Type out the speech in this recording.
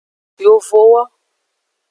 Yovowo.